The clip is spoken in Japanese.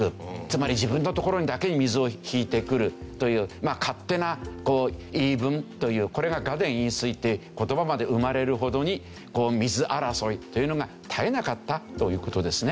つまり自分の所にだけに水を引いてくるという勝手な言い分というこれが我田引水っていう言葉まで生まれるほどに水争いというのが絶えなかったという事ですね。